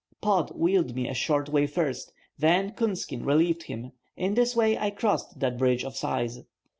Pod wheeled me a short way first, then Coonskin relieved him; in this way I crossed that bridge of size.